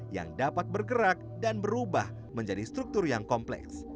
yang dapat bergerak dan berubah menjadi struktur yang kompleks